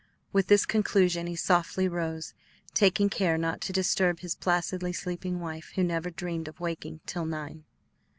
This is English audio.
With this conclusion, he softly rose, taking care not to disturb his placidly sleeping wife, who never dreamed of waking till nine.